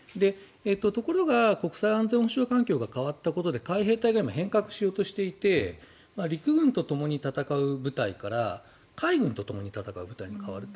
ところが、国際安全保障環境が変わったことで海兵隊が今、変革しようとしていて陸軍とともに戦う部隊から海軍とともに戦う部隊に変わると。